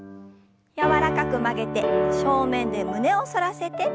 柔らかく曲げて正面で胸を反らせて。